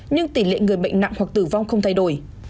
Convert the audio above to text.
nhưng tỷ lệ người bệnh nặng hoặc tử vong không thay đổi